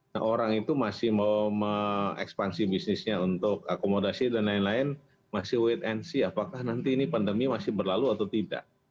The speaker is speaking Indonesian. nah orang itu masih mau mengekspansi bisnisnya untuk akomodasi dan lain lain masih wait and see apakah nanti ini pandemi masih berlalu atau tidak